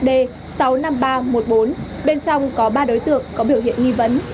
bên trong có ba đối tượng có biểu hiện nghi vấn